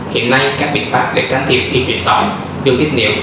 hiện nay các biện pháp để trang thiệp hiệp viện sọ đường tích niệm